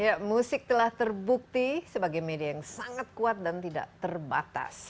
ya musik telah terbukti sebagai media yang sangat kuat dan tidak terbatas